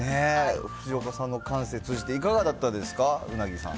藤岡さんの感性通じて、いかがだったですか、鰻さん。